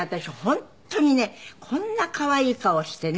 本当にねこんな可愛い顔してね